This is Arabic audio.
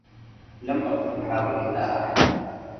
لم أكن أحاول إيذاء أحد.